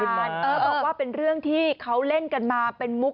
บอกว่าเป็นเรื่องที่เขาเล่นกันมาเป็นมุก